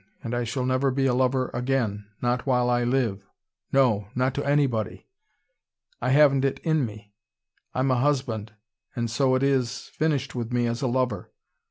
And I shall never be a lover again, not while I live. No, not to anybody. I haven't it in me. I'm a husband, and so it is finished with me as a lover.